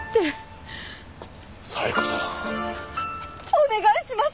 お願いします！